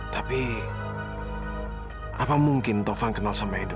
tapi apa mungkin taufan kenal sama ini